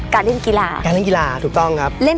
สวัสดีครับพี่นักจัดทนาทิพย์